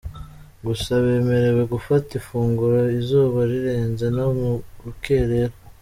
Gusa bemerewe gufata ifunguro izuba rirenze no mu rukerera.